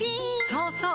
そうそう！